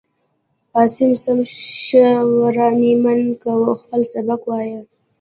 عاصم سم شه وراني من كوه خپل سبق وايا.